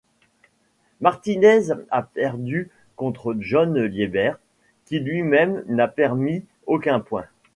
Martínez a perdu contre John Lieber qui lui-même n'a permis aucun point.